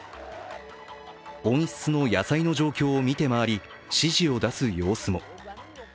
温室の野菜の状況を見て回り指示を出す様子も。